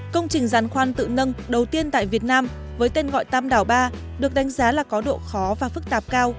công trình giàn khoan tự nâng đầu tiên tại việt nam với tên gọi tam đảo ba được đánh giá là có độ khó và phức tạp cao